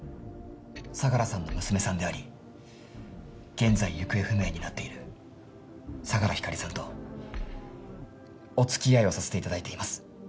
相良さんの娘さんであり現在行方不明になっている相良光莉さんとお付き合いをさせていただいています。